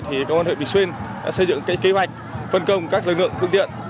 thì công an huyện bình xuyên đã xây dựng cái kế hoạch phân công các lực lượng phương tiện